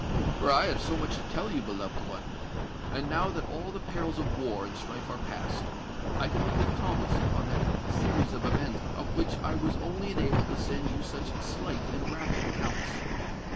For I have so much to tell you, beloved one; and now that all the perils of war and strife are past, I can look with calmness upon that series of events of which I was only enabled to send you such slight and rapid accounts.